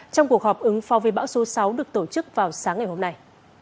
trong cuộc họp ứng phong viên bão số sáu được tổ chức vào sáng ngày hôm nay